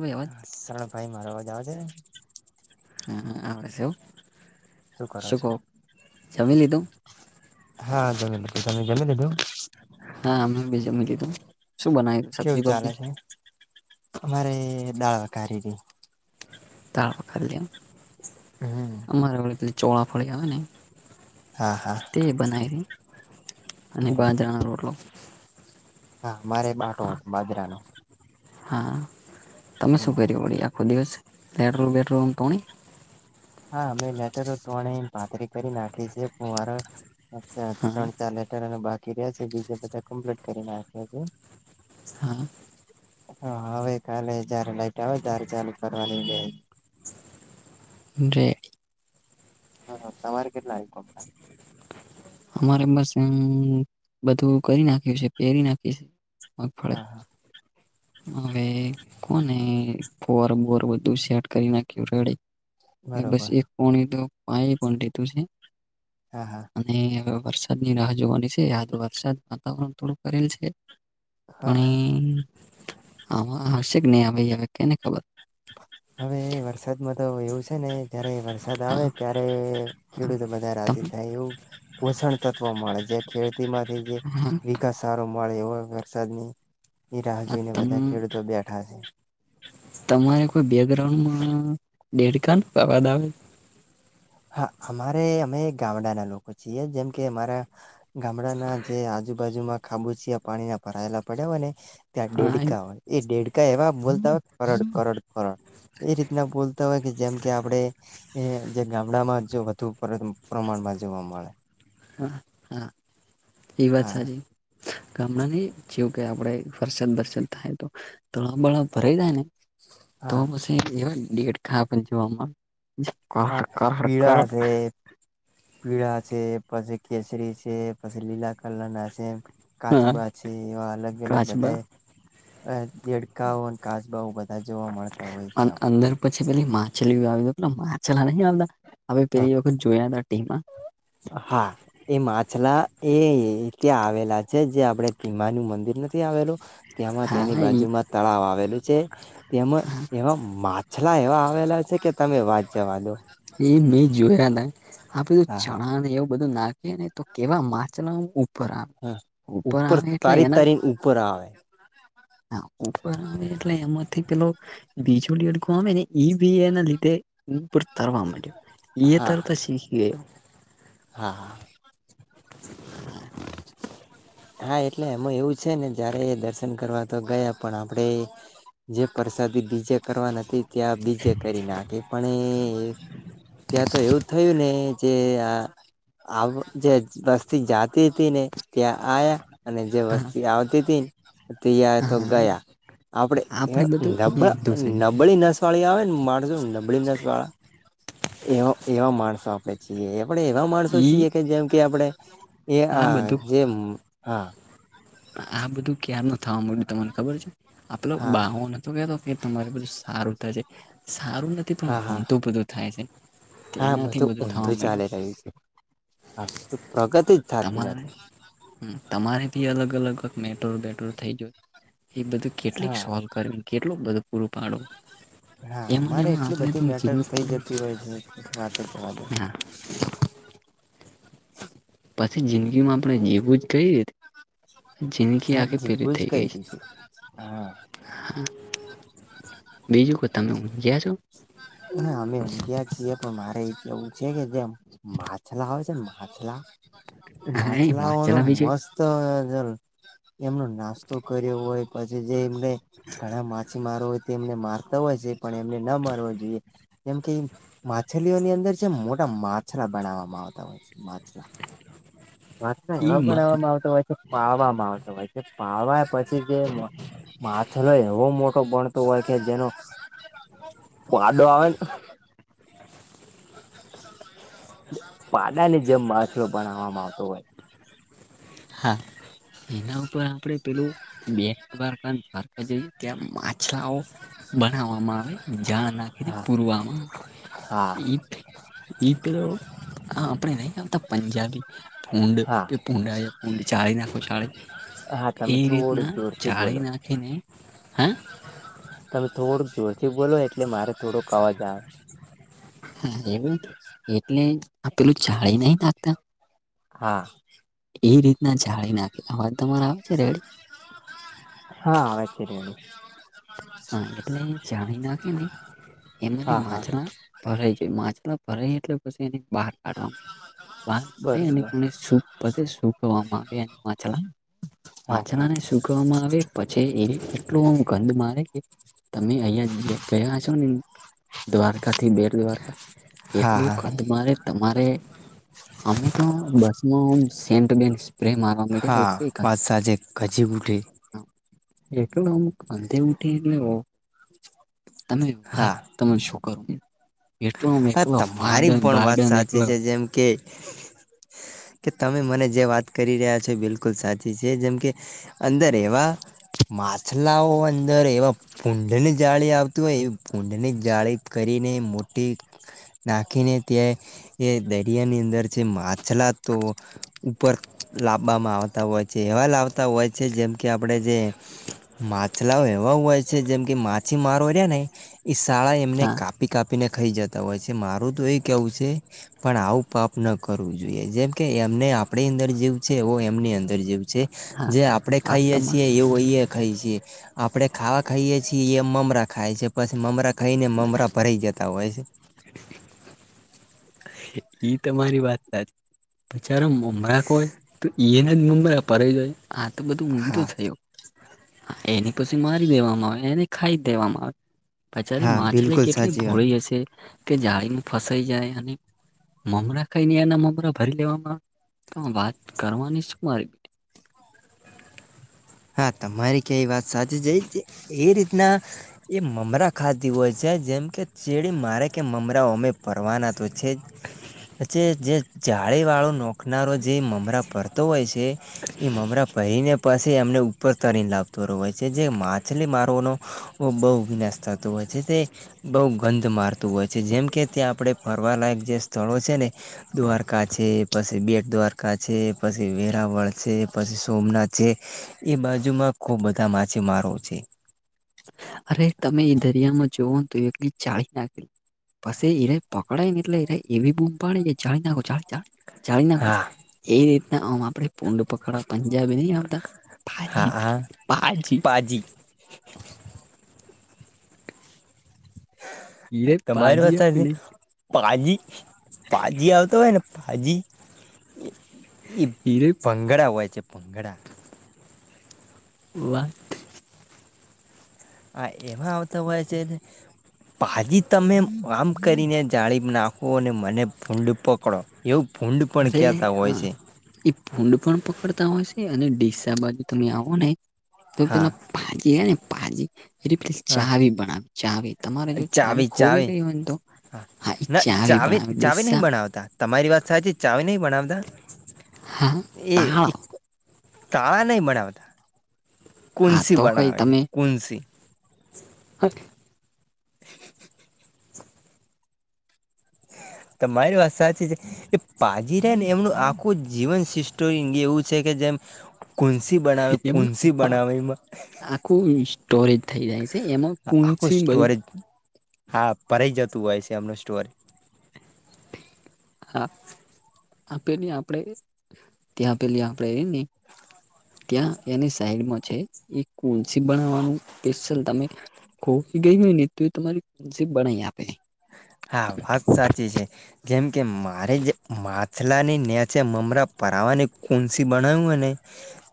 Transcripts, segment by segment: આવી અવાજ હા સરરણ ભાઈ મારો અવાજ આવજે? આવે છે શું કરો છો જમી લીધું હા જમી લીધું તમે જમી લીધું? હા બીજ લીધું શું બનાવ્યું? કેવું સબ્જી ચાલે બબ્જી છે અમારે દાળ ખીધ [unintelligible] હમ અમારે વી ચોળા ફળી આવે ને હા હા તે બનાવી અને બરોબર બાજરાનો રોટલો હા મારે બાટો હતો બાજરા નો હા તમે શું હમ કર્યું પળ આખો દિવસે લેટ્રલ બેડરૂમ તોણી હા મેમે લેટરો ત્રણે પાતરી કરી નાખી છેરા હા ત્રણ ચાર લેટર. બાકી રહ છે બીજ બધા કમ્પ્લીટ કરી ના. હા હા હવે કાલે જ્યારે લાઈટ આવે ત્યારે ચાલે કરવાની જે હ તમારે કેટલા આમ અમારે બસ એમ બધું કરી નાખ્યું છે પહેરી નાખી છે. મગફળે હા હા હવે કોને ફોર બોર બધું સેટ કરી નાખ્યું રેડે. બસ બરોબર એક કોણી તો પાય પણ લીધું છે. હા હા અને વરસાદ ની રાહ જોવાની છે આ તો વરસાદ વાતાવરણ થોડું કરેલ છે. હા હા પણ આવશે કે નહી ભાઈ હવે કેને ખબર હવે વરસાદમાં તો એવું છે ને જયારે વરસાદ આવે હા ત્યારે ખેડૂતો બધા તમ રાજી થાય એવું પોષણ તત્વ મળે છે ખેડતી માંથી જે વિકાસ સારો મળે એવા વરસાદની રાહ જોઈને તમ બધા ખેડૂતો બેઠા છે તમારે કોઈ બેકગ્રાઉન્ડમાં દેડકા પવાદ આવે હા અમારે અમે ગામડાના લોકો છીએ જેમ કે અમારા ગામડાના જે આજુબાજુમાં ખાબુચિયા પાણી ના ભરાયેલા પડ્યા અને ત્યાં હા દેઢકા હોય એ દેઢકા એવા બોલતા હોય કરોડ કરોડ કરોડ. એ રીતના બોલતા હોય કે જેમ કે આપડે એ જ ગામડામાં જ વધુ પ્ર પ્રમાણમાં જોવા મળે. હા હા એ વાત હા સાચી. ગામડાં ન ની જેવું કે આપડે ફરસન દર્શન થાય તો તળ બળા ભરાઈ જાય ને તો હા પછી એવા દેડકા પણ જોવામાં જે કર્હ હા કાર્હ પીળા કારહડ છે પીળા છે પછી કેસરી છે પછી લીલા કલરના સેમ કાચબા છે એવા અલગ અલગ કાચબા બધાએ આ દેડ દેડકાઓ અને કાચબાઓ બધા જોવા મળતા હોય છે [unintelligible] અંદર પછી પેલી માછલી આવી પેલા માછલા નહી આવતા હવે પેલી વખત જોયા હતા તેમ. હા. એ માછલા એ ત્યા આવેલા છે જે આપણે ત્રિમાનુ મંદિર નથી આવેલું. ત્યામાં તેની હા એ બાજુમાં તળાવ આવેલું છે. તેમાં એવા માછલા એવા આવેલા છે કે તમે વાત જવા દો. એ મે જોયા ને આપ બધું હા હા ચણા એવું બધું નાખ નાખી એને તો કેવા માછલા ઉપર આવે હા ઉપર આવે એટલે તારી એના તારી ઉપર આવે. હા ઉપર આવે એટલે એમાંથી પેલો બીજો દેડકો આવે ને ઈ બી એના લીધે ઉપર તળવા માંડ્યો. યે હા તડતા શીખી ગયો. હા. હા એટલે અમાં એવું છે ને જયારે એ દર્શન કરવા તો ગયા પણ આપડે જે પ્રસાદી બીજે કરવા ન ત્યાં બીજે કરી નાખે પણ એ ત્યાં તો એવું થયું ને જે આ આવું જે વસ્તી જાતી હતી ને ત્યાં આયા અને જે વસ્તી આવતી હતી ત્યાં તો ગયા આપડે એ બધું નબળા ઊંધો થઈ ગયો. નબળી ન [unintelligible] આવે ને માણસો નબળી નસ વાળા એવા એવા માણસો આપડે છીએ આપણેે એવા માણસો ઈ છીએ કે જેમ કે આપણે એ આ જે હા. આ બધું ક્યાર નો થવા મળડ્યું તમને ખબર છે આપલો હા બાહો ન તો કેતો કે તમારે બધું સારું થશે સારું નથી પણ હા હા ઊંધું બધું થાય છે. હા તેનાથી બધું થવા ઊંધું ચાલી માંડ્યું રહ્યું છે આ પ્રગતિ જ થતી નથી. હમ્મ તમારે ભી અલગ અલગ મેટોર વટોર થઇ જય એ બધું કેટલીક હા સોલ્વ કરવી કેટલું બધું પૂરું પાડો. હા અમારે એટલી બધી મેટર થઇ જતી હોય છે વાત જ જવા દો. હા પછી જિંદગી માં આપણેે જેવું જ કઈ રીતે. જિંદગી હા આખી પીડિત જીભું જ થઈ કઈ ગઈ છે. રહી હા હા બીજું કો તમે ગયા છો. ના અમે ઊંઘ્યા છીએ પણ મારે એ એવું છે કે જેમ માછલા હોય છે ને માછ માછલા તો હા એ માં માછલાઓ નો ચલાવી છે મસ્ત ત ઘર એમનો નાસ્તો કર્યો હોય પછી જે એમને ઘણા માછીમારો હોય તો તેમને મારતા હોય છે પણ એમને ના મારવા જોઈએ કેમકે ઈ માછલીઓની અંદર જે મોટા માછલા બનાવવામાં આવતા હોય. માછલા ઈ માછલાના માં બનાવવામાં આવતા હોય છે તો પાવામાં આવતા હોય છે પાવા પછી પછી કે માં માછલો એવો મોટો બણ બનતો હોય છે જેનો [unintelligible] આવે ને પાદની જેમ માછલાઓ બનાવવામાં આવતો હોય. હા. એના ઉપર આપડે પેલું બે દ્વારકા દ્વારકા જોઈએ ત્યાં માછલાઓ બનાવવામાં આવે ઝાળ નાખી દે પૂરવામાં હા ઈ એ તો આપણે નહી આપતા પંજાબી ભુંડ હા કે ભુંડ હું ચાળી નાખું હા ચાળી એ તમે થોડુંક રીતના જોરથી ચળી બોલો નાખીને હા. તમે થોડુંક જોરથી બોલો એટલે મારે થોડોક અવાજ આવે. હા એ એટલે આપેલું જાળી નહી નાખતા. હા. એ રીતના જાળી નાખે અવાજ તમારે આવે છે રેડી? હા આવે છે રેડી. હા એટલે જાણી નાખે ને એમાંને હા હા માછલા ભરાઈ જોઈ માછલા ફરે એટલે પછી એને બહાર કાઢવાવામાં બહાર બરોબર કાઢી પછી સુકવામાં આવે માછલા હા માછલા ને સુકવામાં આવે પછી એ એટલું ગંધ મારે કે તમે અહિયાં ગયા છો ને? દ્વારકાથી બેડ દ્વારકા હા એટલું હા ગંધ મારે તમારે અમે તો બસ સે હા વાત સાચે ગજી ઉઠી [unintelligible] એકલો અમુક અંતે ઉઠી એટલે તમે વા હા તમે શું કરો હા તમારી પણ વાત સાચી છે [unintelligible] જેમ કે. કે તમે મને જે વાત કરી રહ્યા છો એ બિલકુલ સાચી છે જેમ કે અંદર એવા માછલાઓ અંદર એવ ફૂડને જાળી આવતું હોય ફૂડની જાળી કરીને મોટી નાખીને ત્યાં એ દરિયાની અંદર છે મા માછલા તો ઉપર લાવવામાં આવતા હોય છે એવા લાવતા હોય છે જેમ કે આપડે જે માછલાઓ એવા હોય છે જેમ કે માછીમારો છે ને એ શાળા એમને હા કાપી કાપીને ખાઈ જતા હોય છે મારું તો એ કેવું છે. પણ આવું પાપ ન કરવું જોઈએ જેમ કે એમને આપણી અંદર જેવું છે એ એમની અંદર જેવું છે. હા જે આપણેે વાત ખાઈએ તમા છીએ એવું અહી ખાઈએ છીએ આપડણે ખાવા ખાઈએ છીએ એ મમરા ખાય છે પછી મમરા ખાઈને મમરા ભરાઈ જતા હોય છે. ઈ તમારી વાત સાચી. બચાર મમરા હોય તો ઈને જ મમરા [unintelligible] જાય. હા તો બધું ઊંધું હા થયું એને પછી મારી દેવામાં આવે એને ખાઈ જ દેવામાં આવે. પચારી હા માછલી બિલકુલ કેટલી સાચી વાત. ભોળી હશે કે જાળીમાં ફસાઈ જાય અને મમરા ખાઈને એના મમરા ભરી લેવામાં પણ વાત કરવાની શું મારી હા તમારી ક્યાં એ વાત સાચી છે એ રીતના એ મમરા ખાતી હોય છે જેમ કે ચેડી મારે કે મમરા અમે ભરવાના તો છે. પછી જે જાળી વાળું નો ખનારો જે મમરા પરતો હોય છે એ મમરા પરીને પ એમને ઉપર તને લાવતો હોય છે જે માછલી મારોનો બહુ વિનાશ થતો હોય છે તે બહુ ગંધ મારતું હોય છે જેમ કે ત્યાં આપડણે ફરવાલાયક જે સ્થળો છે ને દ્વારકા છે, પછી બેટ દ્વારકા છે, પછી વેરાવળ છે, પછી સોમનાથ છે. એ બાજુમાં ખુબ બધા માછીમારો છે. અરે તમે એ દરિયામાં જોવઓ તો એલી ચાળી નાખેલી પછી ઈરાય પકડાય ને એટલે એવી બૂમ પાડી કે જાળી નાખો ચાલ ચાલ જાડી નાખો હા એ રીતના આમ આપડે પડ પકડા પંજાબી નહી આવતા હા ભાજી હા ભાજી પાજી [inaudible] હીરે તમારી પાજી વાતા સાચી. આપને પાજી પાજી આવતો હોય ને પાજી ઈ હીરે ભંગડા હોય છે ભંગડા. વા... હા એમાં આવતા હોય છે પાજી તમે આમ કરીને જાળી નાખો અને મને ભૂંડ પકડો. એવું ભૂંડ પણ અરે કહેતા હોય હા છે એ ભૂંડ પણ પકડતા હોય છે અને ડીસા બાજુ તમે આવો ને તો હા પેલા પાજી હ ને પાજી એ પે હા જાળી બનાવી ચાવી તમારે જો ચાવી ખોવી ગઈ હોય તો હા એ ના ચાવી ચવે બનાવે ચાવે નહી ડીસા બનાવતા તમારી વાત સાચી છે ચાવી નહી બનાવતા હા એ તાળો તાળા નહી બનાવતા હા કુનસી તો કઈ બનાવે છે કુંન્સી ઓ [inaudible] તમારી વાત સાચી છે એ પા હીરેન એમનું આખું જીવન સિસ્ટમ એવું છે કે જેમ કોન્સી બનાવે એમનું કોન્સી હા, બનાવેેમાં આખું સ્ટોરેજ થઈ જાય છે એમાં આખું કુનસી ન બધું સ્ટોરેજ હા ભરઈ જતું હોય છે એમનો સ્ટોર હા આપેલી આપણેે ત્યા આપેલી આપડે એ ને ત્યાં એની સાઈડમાં છે એ કુનસી બનાવવાનું સ્પેશલ તમે [unintelligible] હા વાત સાચી છે. જેમ કે મારે જે માછલા ની નેચે મમરા પરાવાની કુનસી બનાયું હ ને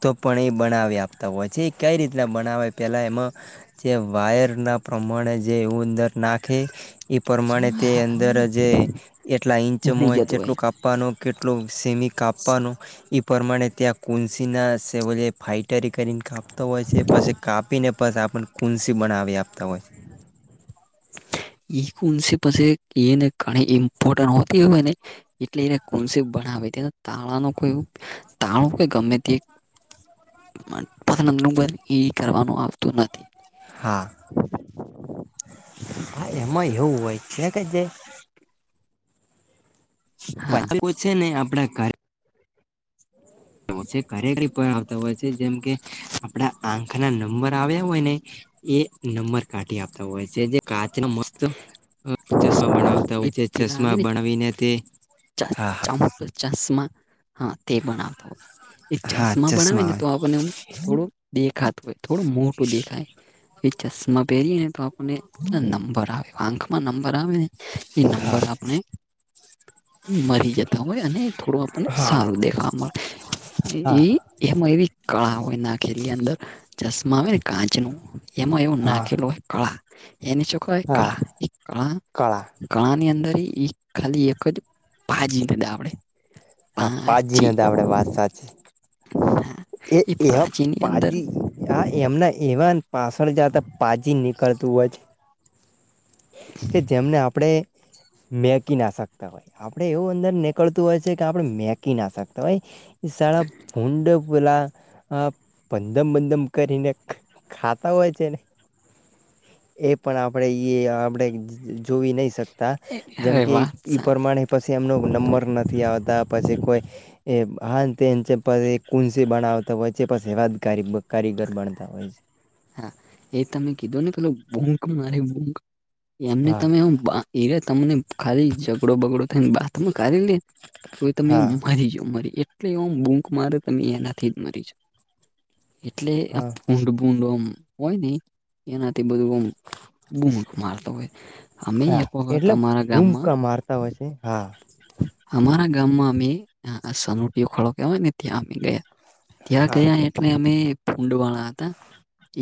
તો પણ એ બનાવી આપતા હોય છે એ કઈ રીતના બનાવે પેલા એમાં જે વાયર ના પ્રમાણે જે એ અંદર નાખે એ પ્રમાણે તે અંદર જે એટલા ઈંચ મો બની જતું હોય જેટલું કાપ કાપવાનો કેટલુ સેમી કાપવાનો એ પ્રમાણે ત્યાં કન્સી ના સેવલ ફાઈટરી કરીને કાપતો હોય છે પછી કાપી ને પછી આપને કુંન્સી બનાવી આપતા હોય છે. નસી પાછી એને ઘણી ઈમ્પોર્ટન હોતી હોય ને એટલે એને કોન્સેપ બનાવે તાળા ન કોઈ તાળુંઈ ગમે તે કરવાનું આવતું નથી. હા હા એમાં એવું હોય છે કે જે હા [unintelligible] [inaudible] કરરેક રિપો આવતા હોય છે જેમ કે આપડા આંખ ના નંબર આવ્યા હોય ને એ નંબર કાઢી આપતા હોય છે જે કાચ ન મસ્ત ચશ્મા બનાવતા એ હોય છે પેલા આવે ચશ્મા ને બનાવીને તે હા હા ચશ્મા હા તે બનાતો હોય એ ચશ્મા બનાવે ને તો આપણને થોડું દેખાતું હોય થોડું મોટું દેખાય એ ચશ્મા પહેરીને તો આપણને આંખમાં નંબર આવે એ હા નંબર આપણે મરી જતા હોય અને થોડું આપણને હા સારું દેખાવા મળે હા એ એમાં એવી કળા હોય નાખેલી અંદર ચશ્મા આવે ને કાચ નું એમાં એવું હા નાખેલું હોય કળા એની શું કય હા કળા [unintelligible] હા પાજી ના દાવડે વાત સાચી [inaudible] એ પાંચીની અંદર પાજી આ એમના એવા પાછળ જતા પાજી કરતું હોય કે જેમને આપણેે મેકી ના શકતા હોય. આપડે એવું અંદર નીકળતું હોય છે કે આપડે મેકી ના શકતા હોય. ઈ શાળા ભૂડ પેલા બંધમ બંધમ કરીને ખાતા હોય છે ને એ પણ આપણેે એ આપણે જોવી નહી શકતા જેમ અરે કે વાહ ઈ પ્રમાણે પછી એમનો નંબર નથી આવતા પછી કોઈ એ હા તે પહી કુંસી બનાવતા હોયે વચ્ચે પહી એવા કારીગર બણ તો હોય છે. હા એ તમે કીધો ને પેલો ભૂક મારી ભુક [inaudible] એમને તમે એ તમને ખાલી ઝઘડો બગડો થઈને બાતમાં ઘારી લે તો એ તમે હા મરી જા મરી એ એટલે એ બૂંક મારે તમે એનાથી જ મરી જા એટલે આ હા ભૂડ ભૂડમ હોય નહીં એનાથી બધું ભુમ મારતો હોય અમે હા એક વખત એટલે અમારા ગામમાં બૂમકા મારતા હોય છે હા અમારા ગામમાં અમે [unintelligible] સનોટીયો ખાડો કેવાય ને ત્યાં અમે ગયા. ત્યાં હા ગયા એટલે અમે ફુંડવાણા હતા.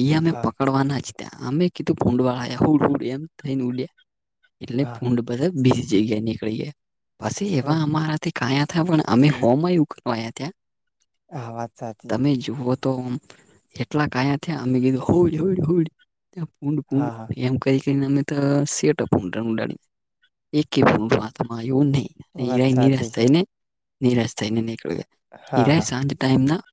એ અમે હા પકડવા ના જ ત્યાં અમે કીધું ભુંંડવાળા આયા હુડ હુડ એમ થઈને ઉલ્યા એટલે હા ભૂડ બધા બીજી જગ્યા નીકળી ગયા પછી હા એવા અમારાથી કાયા હતા પણ અમે હોમ એવું કરવાયા ત્યાં આ વાત સાચી તમે જુઓ તોમ એટલા ગાયા થયા અમે કીધું હોડ હોડ હોડ ત્યા પુંડ પૂડ હા હા એમ કરી કરીને અમે તો સેવટે ભુડ ડાડી એક કે ભુ હાથઆમાં આવ્યો નહીં વાત હિરાઈ સાચી નિરાશ છે થાય ને નિરાશ થાય ને નીકળ હા હા હિરાઈ સાજ ટાઈમ ના